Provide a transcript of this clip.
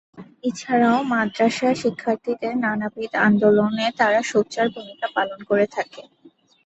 এছাড়াও মাদ্রাসা শিক্ষার্থীদের নানাবিধ আন্দোলনে তারা সোচ্চার ভূমিকা পালন করে থাকে।